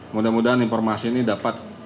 mudah mudahan informasi ini dapat